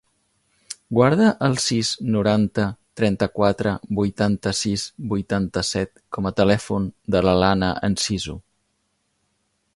Guarda el sis, noranta, trenta-quatre, vuitanta-sis, vuitanta-set com a telèfon de l'Alana Enciso.